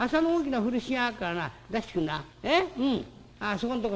そこんとこ